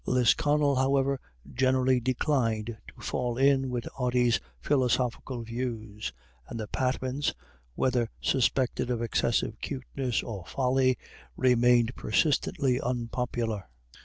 Lisconnel, however, generally declined to fall in with Ody's philosophical views, and the Patmans, whether suspected of excessive cuteness or folly, remained persistently unpopular.